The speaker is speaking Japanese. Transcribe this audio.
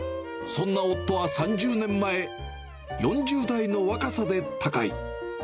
そんな夫は３０年前、４０代の若さで他界。